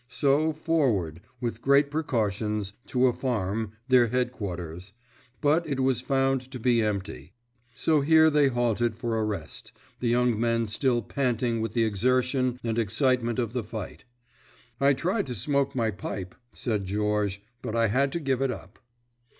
So forward, with great precautions, to a farm, their headquarters—but it was found to be empty; so here they halted for a rest, the young men still panting with the exertion and excitement of the fight. "I tried to smoke my pipe," said Georges, "but I had to give it up."